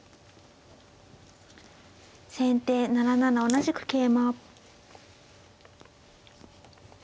先手７七同じく桂馬。